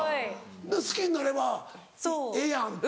好きになればええやんって。